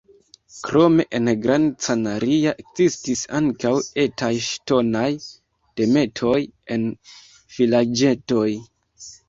Krome en Gran Canaria ekzistis ankaŭ etaj ŝtonaj dometoj en vilaĝetoj.